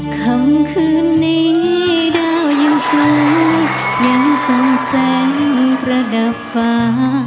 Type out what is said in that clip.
คำคืนนี้ดาวยิ่งสูงยังส่องแสงระดับฝา